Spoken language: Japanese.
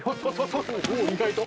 意外と。